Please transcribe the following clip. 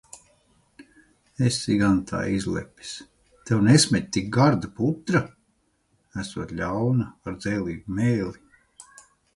Esi gan tā izlepis. Tev nesmeķ tik garda putra? Esot ļauna, ar dzēlīgu mēli.